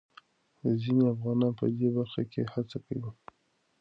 ځينې افغانان په دې برخه کې هڅې کوي.